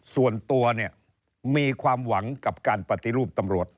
ส่วนตัวเนี่ยมีความหวังกับการปฏิรูปตำรวจ